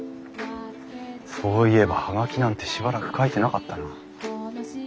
そういえば葉書なんてしばらく書いてなかったな。